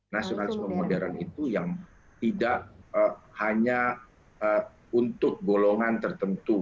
nasionalisme modern itu yang tidak hanya untuk golongan tertentu